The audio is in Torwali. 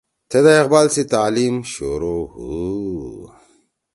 تھیدا اقبال سی تعلیم شروع ہُو